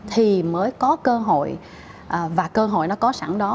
thì mới có cơ hội và cơ hội nó có sẵn đó